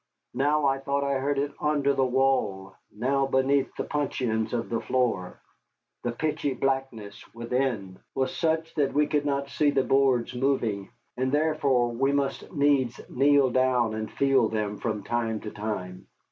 Now I thought I heard it under the wall, now beneath the puncheons of the floor. The pitchy blackness within was such that we could not see the boards moving, and therefore we must needs kneel down and feel them from time to time.